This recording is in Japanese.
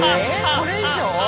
これ以上？